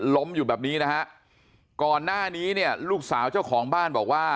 ล้มอยู่แบบนี้นะฮะก่อนหน้านี้เนี่ยลูกสาวเจ้าของบ้านบอกว่า